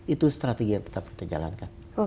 itu strategi yang tetap kita jalankan